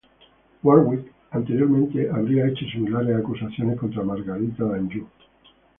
Warwick anteriormente habría hecho similares acusaciones contra Margarita de Anjou.